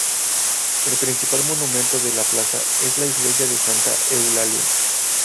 El principal monumento de la plaza es la iglesia de Santa Eulalia.